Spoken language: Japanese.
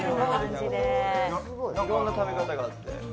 いろんな食べ方があって。